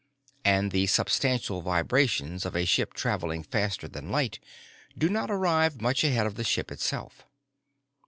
And the substantial vibrations of a ship traveling faster than light do not arrive much ahead of the ship itself.